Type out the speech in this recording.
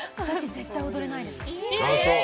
私、絶対踊れないです。